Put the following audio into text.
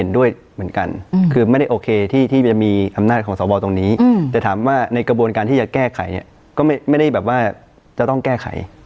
เรื่องสอบวอลว่ายังไงคะ